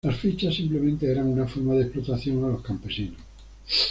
Las fichas simplemente eran una forma de explotación a los campesinos.